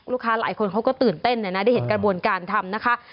ลูกค้าหลายคนเขาก็ตื่นเต้นนะได้เห็นกระบวนการทำนะคะ